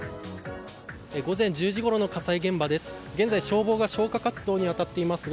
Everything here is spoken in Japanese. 午前１０時ごろの火災現場です。